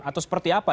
atau seperti apa